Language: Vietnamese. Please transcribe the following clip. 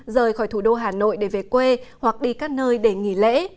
rời khỏi thủ đô hà nội để về quê hoặc đi các nơi để nghỉ lễ